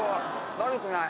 悪くない。